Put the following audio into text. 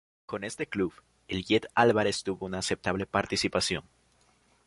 Con este Club, el 'Jet' Álvarez tuvo una aceptable participación.